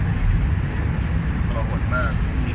เป็นเด็กที่